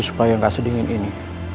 supaya gak sedingin ini